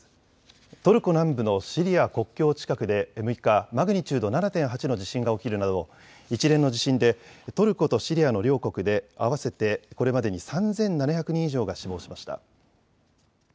トルコ南部のシリア国境近くで６日、マグニチュード７．８の地震が起きるなど一連の地震でトルコとシリアの両国で合わせてこれまでに３７００人以上が死亡しました。